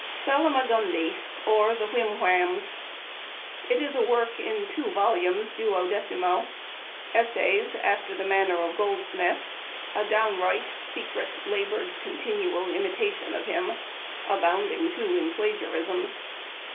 " Salamagnndi ; or Whim Whams. — It is a work in two volumes duodecimo ; essays after the manner of Goldsmith — a downright, secret, labored, continual imitation of him, abounding too in plagiarisms.